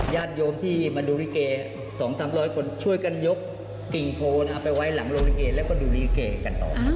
ญาติโยมที่มาดูลิเก๒๓๐๐คนช่วยกันยกกิ่งโคนเอาไปไว้หลังโรงลิเกแล้วก็ดูลิเกกันต่อ